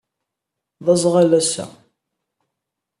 D azɣal ass-a